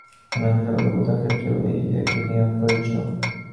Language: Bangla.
অন্যান্য সকল দেবতার ক্ষেত্রেও এই একই নিয়ম প্রযোজ্য।